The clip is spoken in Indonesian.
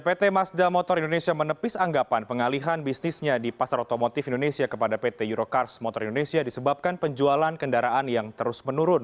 pt mazda motor indonesia menepis anggapan pengalihan bisnisnya di pasar otomotif indonesia kepada pt eurocars motor indonesia disebabkan penjualan kendaraan yang terus menurun